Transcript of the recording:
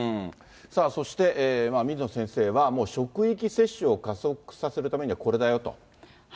さあそして、水野先生はもう職域接種を加速させるためには、これだよと。